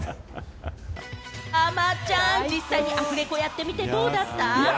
山ちゃん、実際にアフレコやってみてどうだった？